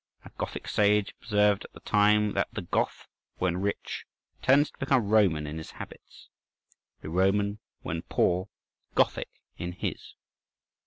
A Gothic sage observed at the time that "the Goth, when rich, tends to become Roman in his habits; the Roman, when poor, Gothic in his."